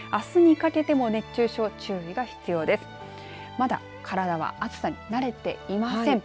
まだ体は暑さに慣れていません。